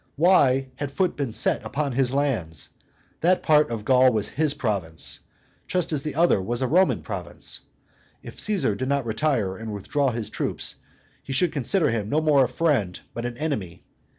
Why had foot been set upon his lands? That part of Gaul was his province, just as the other was the Roman province. If Caesar did not retire, and withdraw his troops, he should consider him no more a friend, but an enemy.